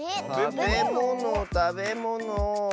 たべものたべもの。